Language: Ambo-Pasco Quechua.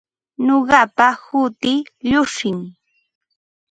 Nuqapa hutii Llushim.